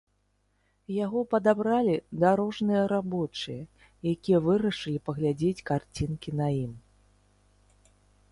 Яго падабралі дарожныя рабочыя, якія вырашылі паглядзець карцінкі на ім.